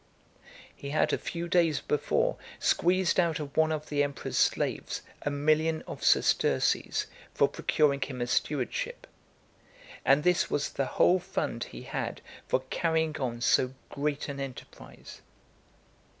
He had a few days before squeezed out of one of the emperor's slaves a million of sesterces for procuring him a stewardship; and this was the whole fund he had for carrying on so great an enterprise.